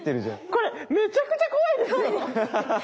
これめちゃくちゃ怖いですよ！